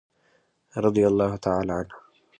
رضي الله تعالی عنه.